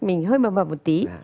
mình hơi mầm mầm một tí